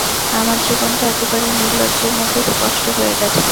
আমার জীবনটা একেবারে নির্লজ্জের মতো স্পষ্ট হয়ে গেছে।